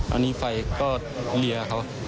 อันนี้ไฟก็เลียเขา